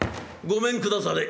ごめんくだされ。